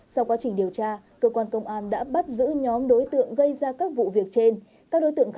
sau quá trình điều tra cơ quan công an đã bắt giữ nhóm đối tượng gây ra các vụ việc trên